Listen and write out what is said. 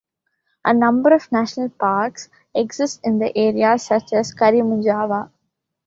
A number of national parks exist in the area such as Karimunjawa.